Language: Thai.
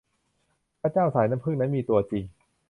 พระเจ้าสายน้ำผึ้งนั้นมีตัวจริง